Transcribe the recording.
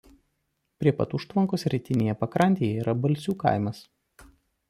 Prie pat užtvankos rytinėje pakrantėje yra Balsių kaimas.